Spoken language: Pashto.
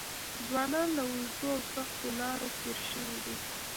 ځوانان له اوږدو او سختو لارو تېر شوي دي.